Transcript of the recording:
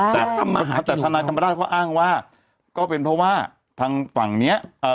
แต่ทนายธรรมราชเขาอ้างว่าก็เป็นเพราะว่าทางฝั่งเนี้ยเอ่อ